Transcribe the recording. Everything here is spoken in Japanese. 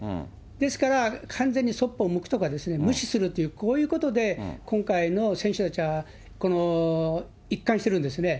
ですから、完全にそっぽを向くとか、無視するという、こういうことで、今回の選手たちは、この一貫してるんですね。